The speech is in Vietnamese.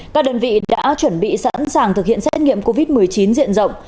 các đơn vị đã chuẩn bị sẵn sàng thực hiện xét nghiệm covid một mươi chín diện rộng